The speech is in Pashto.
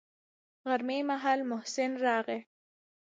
غرمې مهال محسن راغى.